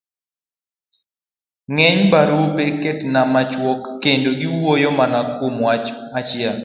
ng'eny barupe betga machuok kendo giwuoyo mana kuom wach achiel.